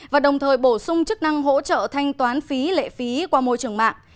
và đồng thời bổ sung chức năng hỗ trợ thanh toán phí lệ phí qua môi trường mạng